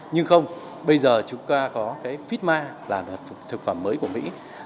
nhưng không bây giờ chúng ta có cái fitma là thực phẩm mới của mỹ